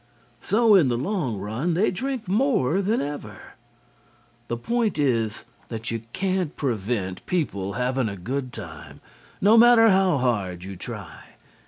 So in the long run they drink more than ever. The point is that you can't prevent people having a good time, no matter how hard you try.